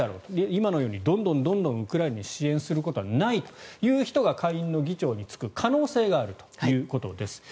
今のようにどんどんウクライナに支援することはないという人が下院の議長に就く可能性があるということです。